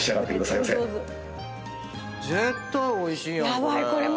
絶対おいしいやんこれ。